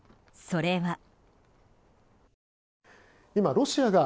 それは。